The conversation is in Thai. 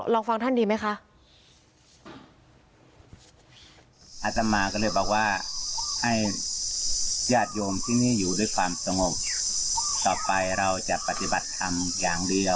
ลองฟังท่านดีไหมคะ